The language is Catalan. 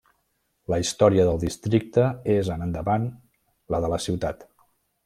La història del districte és en endavant la de la ciutat.